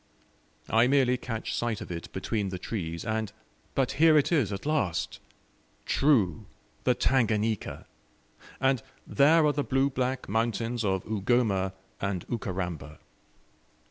I merely catch sight of it between the trees, and but here it is at last! True THE TANGANIKA! and there are the blue black mountains of Ugoma and Ukaramba.